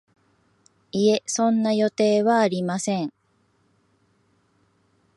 いえ、そんな予定はありません